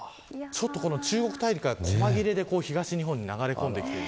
中国大陸は細切れで東日本に流れ込んできている。